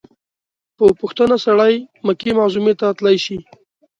په پوښتنه سړى مکې معظمې ته تلاى سي.